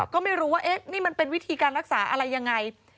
ก็ไม่รู้ว่านี่มันเป็นวิธีการรักษาอะไรยังไง